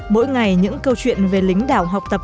mỗi ngày những câu chuyện về lính đảo học tập